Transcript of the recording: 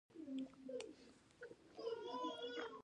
نه، زه اوس هم خوشحاله یم او ته ډېره ښه یې.